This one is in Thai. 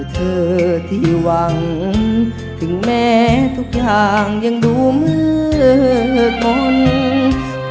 เธอที่หวังถึงแม้ทุกอย่างยังดูมืดทน